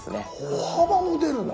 歩幅も出るの？